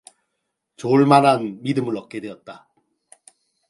좋을 만한 믿음을 얻게 되었다.